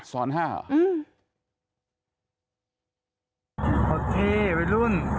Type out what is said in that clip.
ซ้อน๕หรอ